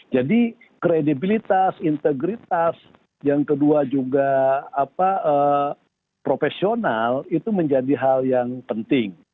jadi kredibilitas integritas yang kedua juga profesional itu menjadi hal yang penting